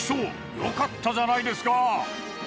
よかったじゃないですか。